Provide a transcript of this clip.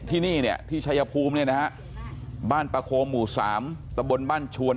ที่นี่เนี่ยที่ชายภูมิเนี่ยนะฮะบ้านประโคมหมู่สามตะบนบ้านชวน